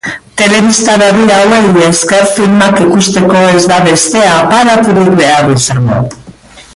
Telebista berri hauei esker, filmak ikusteko ez da beste aparaturik behar izango.